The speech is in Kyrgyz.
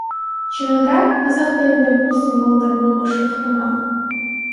Чынында казак тилинде бул символдор болбошу ыктымал.